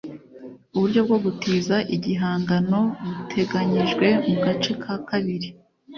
uburyo bwogutiza igihangano buteganyijwe mu gace ka kabiri